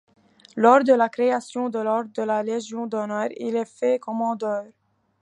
Lors de la création de l'ordre de la légion d'honneur, il est fait commandeur.